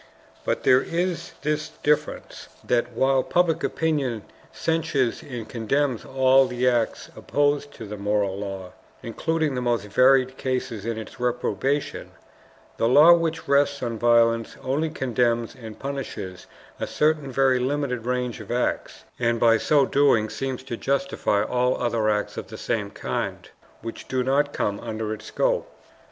But there is this difference, that while public opinion censures and condemns all the acts opposed to the moral law, including the most varied cases in its reprobation, the law which rests on violence only condemns and punishes a certain very limited range of acts, and by so doing seems to justify all other acts of the same kind which do not come under its scope.